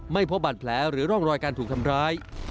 ไม่พบบัตรแผลหรือร่องรอยการถูกทำร้าย